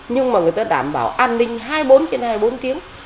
nhưng mà người ta đảm bảo an ninh hai mươi bốn trên hai mươi bốn tiếng